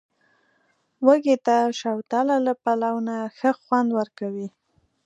وږي ته، شوتله له پلاو نه ښه خوند ورکوي.